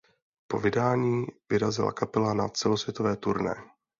Po vydání vyrazila kapela na celosvětové turné.